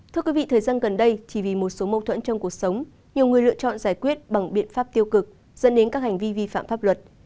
thưa quý vị thời gian gần đây chỉ vì một số mâu thuẫn trong cuộc sống nhiều người lựa chọn giải quyết bằng biện pháp tiêu cực dẫn đến các hành vi vi phạm pháp luật